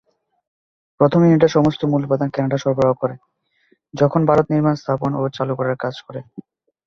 প্রথম ইউনিটের সমস্ত মূল উপাদান কানাডা সরবরাহ করে, যখন ভারত নির্মাণ, স্থাপন ও চালু করার কাজ করে।